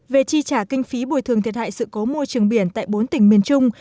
về chi trả kinh phí bồi thường thiệt hại sự cố môi trường biển tại bốn tỉnh miền trung